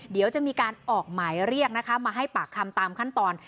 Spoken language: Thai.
เดี๋ยวจะมีการออกหมายเรียกนะคะมาให้ปากคำตามขั้นตอน